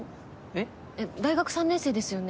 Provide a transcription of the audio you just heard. えっ大学３年生ですよね？